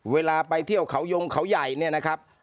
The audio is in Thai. เวลาไปเที่ยวเขายงเขาใหญ่เนี่ยนะครับ